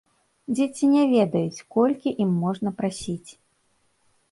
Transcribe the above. Дзеці не ведаюць, колькі ім можна прасіць.